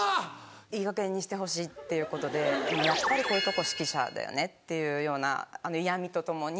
いいかげんにしてほしいっていうことでやっぱりこういうとこ指揮者だよねっていうような嫌みとともに。